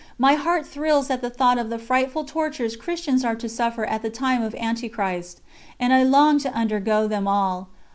My heart thrills at the thought of the frightful tortures Christians are to suffer at the time of Anti Christ, and I long to undergo them all.